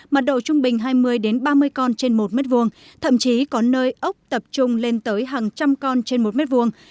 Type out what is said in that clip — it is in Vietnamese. mật độ trung bình hai mươi ba mươi con trên một mét vuông thậm chí có nơi ốc tập trung lên tới hàng trăm con trên một mét vuông